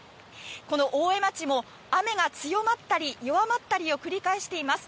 この大江町も雨が強まったり弱まったりを繰り返しています。